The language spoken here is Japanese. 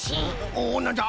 おっなんじゃ？